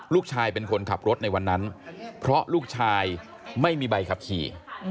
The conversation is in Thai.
ลูกชายเป็นคนขับรถในวันนั้นเพราะลูกชายไม่มีใบขับขี่